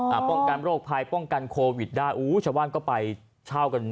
ป้องกันโรคภัยป้องกันโควิดได้อู้ชาวบ้านก็ไปเช่ากัน